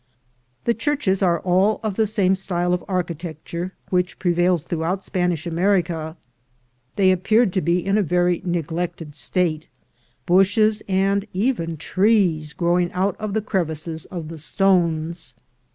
The churches are all of the same style of archi tecture which prevails throughout Spanish America. 38 ACROSS THE ISTHMUS 39 They appeared to be in a very neglected state, bushes, and even trees, growing out of the crevices of the stones.